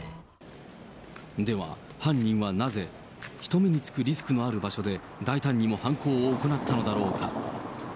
では、犯人はなぜ、ひとめのつくリスクのある場所で大胆にも犯行を行ったのだろうか。